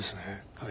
はい。